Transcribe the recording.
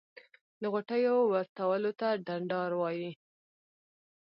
د غوټیو ورتولو ته ډنډار وایی.